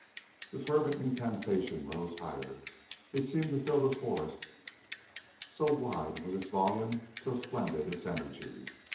The fervent incantation rose higher. It seemed to fill the forest, so wide was its volume, so splendid its energy.